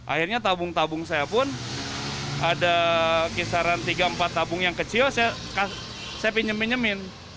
akhirnya tabung tabung saya pun ada kisaran tiga empat tabung yang kecil saya pinjam pinjamin